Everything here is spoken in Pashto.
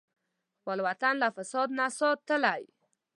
خپل وطن له فساد نه ساتلی.